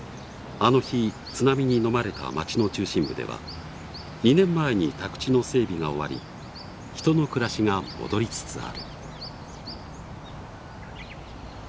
あの日津波にのまれた町の中心部では２年前に宅地の整備が終わり人の暮らしが戻りつつある。